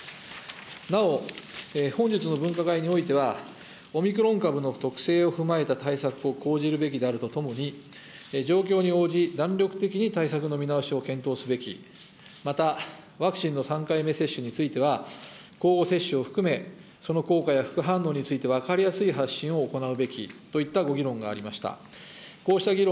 なお本日の分科会においては、オミクロン株の特性を踏まえた対策を講じるべきであるとともに、状況に応じ、弾力的に対策の見直しを検討すべき、また、ワクチンの３回目接種については、交互接種を含め、その効果や副反応について分かりやすい発信を行うべきといったご議論がありました。